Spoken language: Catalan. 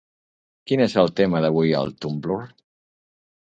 Quin és el tema d'avui al Tumblr?